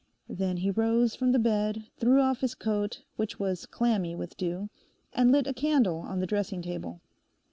Then he rose from the bed, threw off his coat, which was clammy with dew, and lit a candle on the dressing table.